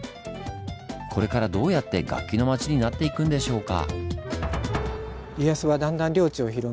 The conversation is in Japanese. これからどうやって楽器の町になっていくんでしょうか？